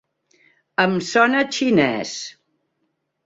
Em sona a xinès.